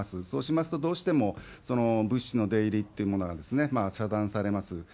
そうしますと、どうしても物資の出入りというものが遮断されます。